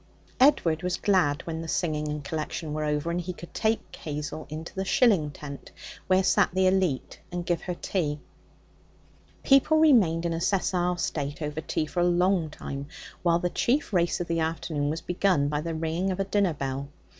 Edward was glad when the singing and collection were over, and he could take Hazel into the shilling tent, where sat the elite, and give her tea. People remained in a sessile state over tea for a long time while the chief race of the afternoon was begun by the ringing of a dinner bell.